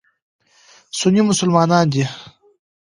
سني مسلمانان دي.